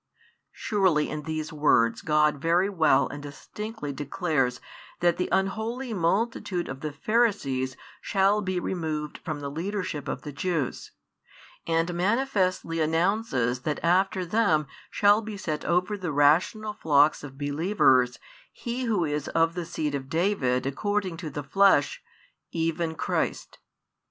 Surely in these words God very well and distinctly declares that the unholy multitude of the Pharisees shall be removed from the leadership of the Jews, and manifestly announces |81 that after them shall be set over the rational flocks of believers He Who is of the seed of David according to the flesh, even Christ.